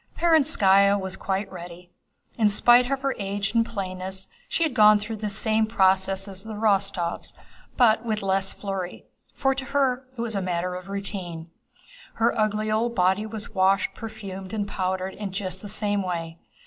Perónskaya was quite ready. In spite of her age and plainness she had gone through the same process as the Rostóvs, but with less flurry—for to her it was a matter of routine. Her ugly old body was washed, perfumed, and powdered in just the same way.